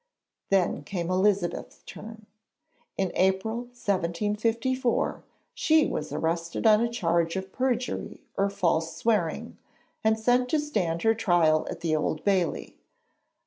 Then came Elizabeth's turn. In April 1754 she was arrested on a charge of perjury or false swearing, and sent to stand her trial at the Old Bailey.